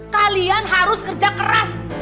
kalian harus kerja keras